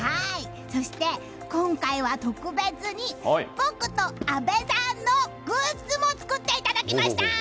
そして、今回は特別に僕と阿部さんのグッズも作っていただきました！